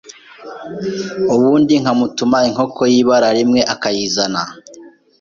Ubundi nkamutuma inkoko y’ibara rimwe akayizana